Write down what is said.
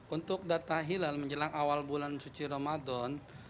untuk data hilal menjelang awal bulan suci ramadan